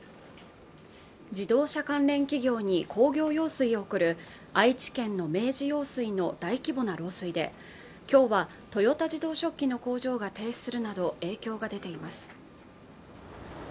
自動車関連企業に工業用水を送る愛知県の明治用水の大規模な漏水で今日は豊田自動織機の工場が停止するなど影響が出ています